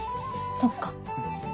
そっか。